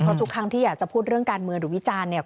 เพราะทุกครั้งที่อยากจะพูดเรื่องการเมืองหรือวิจารณ์เนี่ย